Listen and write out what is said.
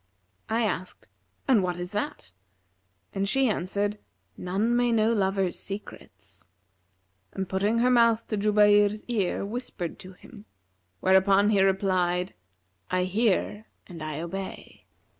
I asked, 'And what is that?'; and she answered, 'None may know lovers' secrets,' and putting her mouth to Jubayr's ear whispered to him; where upon he replied, 'I hear and I obey.'